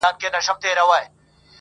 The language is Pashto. له سړي چي لاره ورکه سي ګمراه سي -